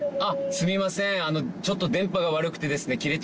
すみません。